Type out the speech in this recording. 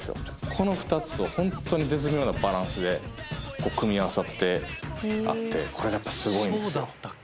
この２つをホントに絶妙なバランスで組み合わさってあってこれがやっぱすごいんですよ。